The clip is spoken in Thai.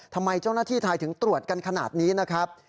ทำไมเจ้าหน้าที่ไทยถึงตรวจกันขนาดนี้นะครับ